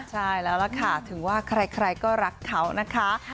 ใช่แล้วล่ะค่ะถึงว่าใครก็รักเขานะคะ